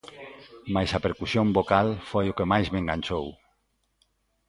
Mais a percusión vocal foi o que máis me enganchou.